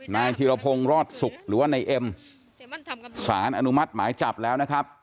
นายธิรพงศ์รอดศุกร์หรือว่านายเอ็มสารอนุมัติหมายจับแล้วนะครับ